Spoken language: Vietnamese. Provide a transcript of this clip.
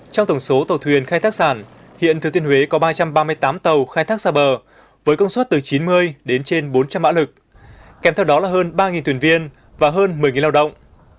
trong tổng số tàu thuyền khai thác sản hiện thừa thiên huế có ba trăm ba mươi tám tàu khai thác xa bờ với công suất từ chín mươi đến trên bốn trăm linh mã lực kèm theo đó là hơn ba thuyền viên và hơn một mươi lao động